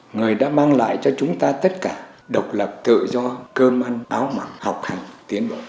người đã mang lại cho chúng ta tất cả độc lập tự do cơm ăn áo mặn học hành tiến bộ